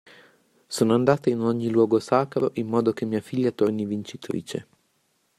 Sono andata in ogni luogo sacro in modo che mia figlia torni vincitrice.